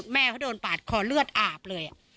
แม่เขาโดนปาดคอเลือดอาบเลย